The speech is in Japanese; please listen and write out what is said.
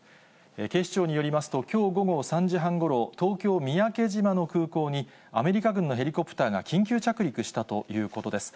警視庁によりますと、きょう午後３時半ごろ、東京・三宅島の空港に、アメリカ軍のヘリコプターが緊急着陸したということです。